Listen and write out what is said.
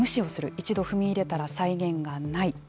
一度踏み入れたら際限がない。